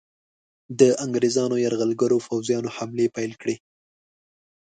د انګریزانو یرغلګرو پوځیانو حملې پیل کړې.